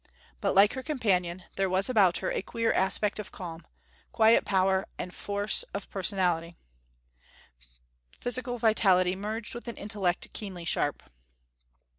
But, like her companion, there was about her a queer aspect of calm, quiet power and force of personality physical vitality merged with an intellect keenly sharp.